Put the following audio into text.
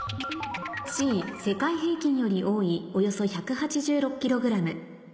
「Ｃ世界平均より多いおよそ１８６ｋｇ」。